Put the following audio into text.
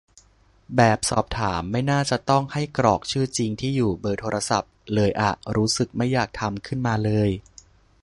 แบบสอบถามไม่น่าจะต้องให้กรอกชื่อจริง ที่อยู่ เบอร์โทรศัพท์ เลยอะ รู้สึกไม่อยากทำขึ้นมาเลย